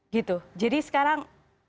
gitu jadi sekarang